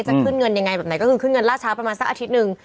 จะขึ้นเงินยังไงแบบไหนก็คือขึ้นเงินล่าช้าประมาณสักอาทิตย์หนึ่ง